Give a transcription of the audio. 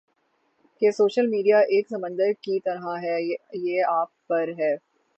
کہ social media ایک سمندر کی طرح ہے یہ آپ پر ہے